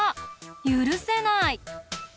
ゆるせない。